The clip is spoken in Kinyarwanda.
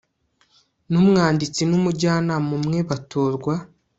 n umwanditsi n umujyanama umwe batorwa